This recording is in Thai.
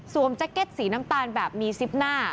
แจ็คเก็ตสีน้ำตาลแบบมีซิปหน้า